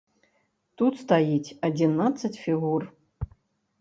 Тут стаіць адзінаццаць фігур.